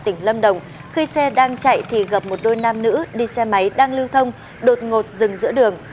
tỉnh lâm đồng khi xe đang chạy thì gặp một đôi nam nữ đi xe máy đang lưu thông đột ngột dừng giữa đường